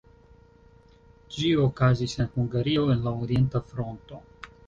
Ĝi okazis en Hungario en la Orienta Fronto.